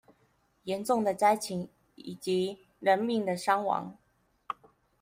嚴重的災情以及人命的傷亡